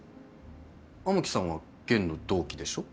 雨樹さんは弦の同期でしょ。